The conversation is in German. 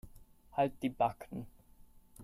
Halt die Backen.